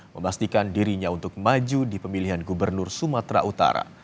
memastikan dirinya untuk maju di pemilihan gubernur sumatera utara